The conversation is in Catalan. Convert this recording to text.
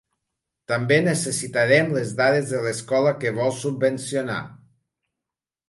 També necessitarem les dades de l'escola que vol subvencionar.